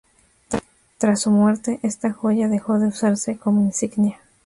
Tras su muerte, esta joya dejó de usarse como insignia.